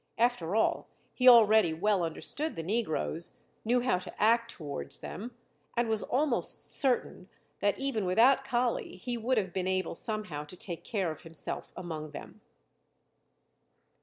After all, he already well understood the negroes, knew how to act towards them, and was almost certain that, even without Kali, he would have been able somehow to take care of himself among them.